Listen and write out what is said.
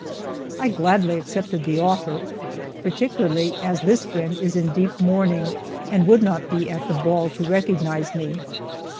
I gladly accepted the offer, particularly as this friend is in deep mourning and would not be at the ball to recognize me.